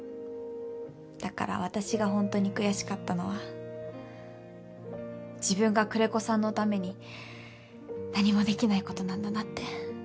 だから私が本当に悔しかったのは自分が久連木さんのために何もできない事なんだなって。